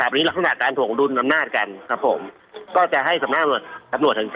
พิจารณาอีกรอบหนึ่ง